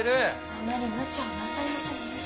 あまりむちゃをなさいませぬよう。